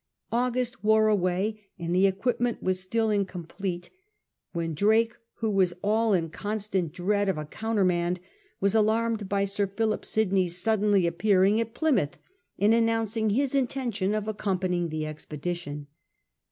August wore away, and the equipment was still incom plete, when Drake, who was now in constant dread of a 100 S/Ji FRANCIS DRAKE ohap. countermand, was alarmed by Sir Philip Sydney's sud denly appearing at Plymouth and announcing his inten tion of accompanying the expedition.